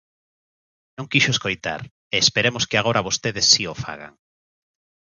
Non quixo escoitar, e esperemos que agora vostedes si o fagan.